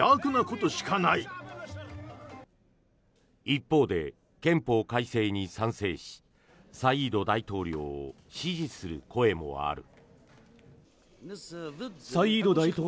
一方で憲法改正に賛成しサイード大統領を支持する声もある。